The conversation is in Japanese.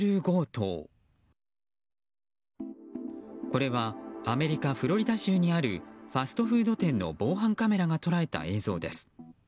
これはアメリカ・フロリダ州にあるファストフード店の防犯カメラが捉えた映像です。